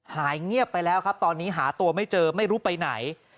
หายเงียบไปแล้วครับตอนนี้หาตัวไม่เจอไม่รู้ไปไหน